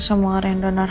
semua orang yang donor